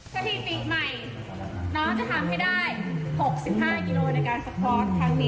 เทศนียกใหม่